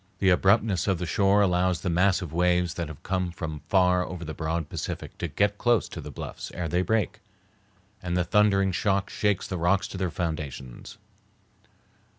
The abruptness of the shore allows the massive waves that have come from far over the broad Pacific to get close to the bluffs ere they break, and the thundering shock shakes the rocks to their foundations.